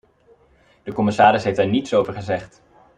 De commissaris heeft daar niets over gezegd.